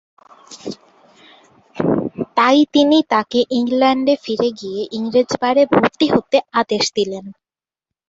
তাই তিনি তাকে ইংল্যান্ডে ফিরে গিয়ে ইংরেজ বারে ভর্তি হতে আদেশ দিলেন।